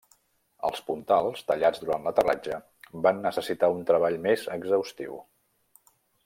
Els puntals, tallats durant l'aterratge, van necessitar un treball més exhaustiu.